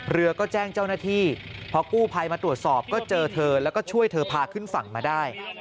เรือก็แจ้งเจ้าหน้าที่พอกู้ภัยมาตรวจสอบก็เจอเธอแล้วก็ช่วยเธอพาขึ้นฝั่งมาได้